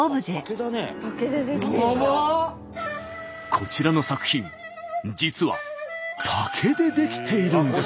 こちらの作品実は竹で出来ているんです。